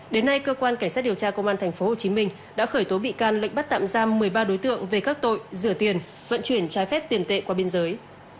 đến nay cơ quan cảnh sát điều tra công an tp hcm đã khởi tố bị can lệnh bắt tạm giam một mươi ba đối tượng về các tội rửa tiền vận chuyển trái phép tiền tệ qua biên giới